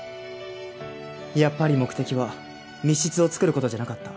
やっぱり目的は密室を作る事じゃなかった。